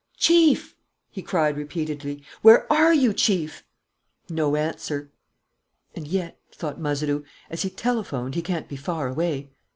"Chief!" he cried, repeatedly. "Where are you, Chief?" No answer. "And yet," thought Mazeroux, "as he telephoned, he can't be far away."